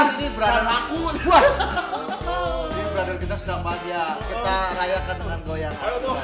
ini berada kita sedang bahagia kita rayakan dengan goyang